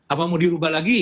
apa mau dirubah lagi